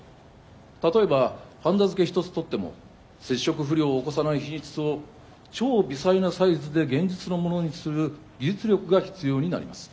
例えばはんだ付け一つとっても接触不良を起こさない品質を超微細なサイズで現実のものにする技術力が必要になります。